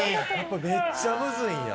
「めっちゃむずいんや」